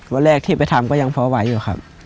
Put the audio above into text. วันแรกที่ไปทำก็ยังพอไหวอยู่ครับ